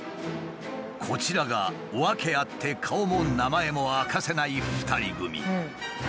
こちらがワケあって顔も名前も明かせない２人組。